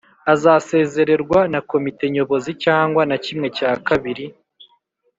azasezererwa na Komite Nyobozi cyangwa na kimwe cya kabiri